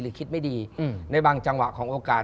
คิดไม่ดีในบางจังหวะของโอกาส